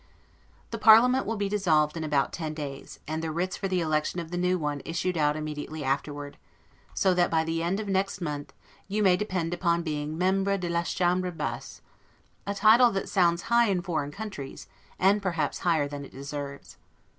The parliament will be dissolved in about ten days, and the writs for the election of the new one issued out immediately afterward; so that, by the end of next month, you may depend upon being 'Membre de la chambre basse'; a title that sounds high in foreign countries, and perhaps higher than it deserves.